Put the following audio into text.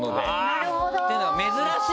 なるほど！